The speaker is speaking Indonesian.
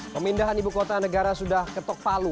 pemindahan ibu kota negara sudah ketok palu